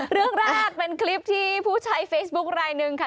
เรื่องแรกเป็นคลิปที่ผู้ใช้เฟซบุ๊คลายหนึ่งค่ะ